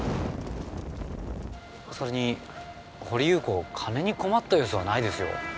それに掘祐子金に困った様子はないですよ。